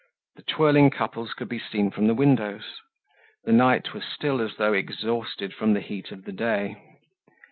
The twirling couples could be seen from the windows. The night was still as though exhausted from the heat of the day.